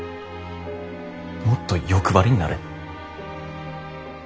もっと欲張りになれ。